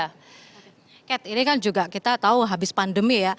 cat ini kan juga kita tahu habis pandemi ya cat ini kan juga kita tahu habis pandemi ya